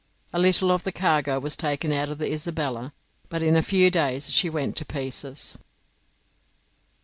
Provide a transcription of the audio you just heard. A little of the cargo was taken out of the 'Isabella', but in a few days she went to pieces.